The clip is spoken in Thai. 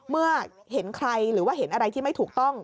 เมื่อเห็นใครหรือว่าเห็นอะไรที่ไม่ถูกต้อง